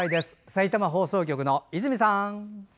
さいたま放送局の泉さん。